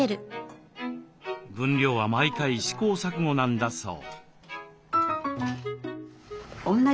分量は毎回試行錯誤なんだそう。